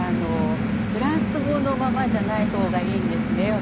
フランス語のままじゃない方がいいんですね